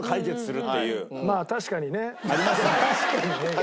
「確かにね」。